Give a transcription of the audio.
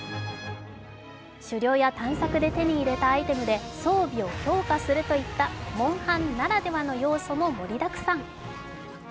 狩猟や探索で手に入れたアイテムで装備を強化するといった「モンハン」ならではの要素も盛りだくさん。